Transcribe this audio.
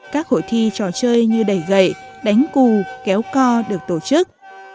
các hội thi trò chơi như đẩy gậy đánh cù kéo co được tổ chức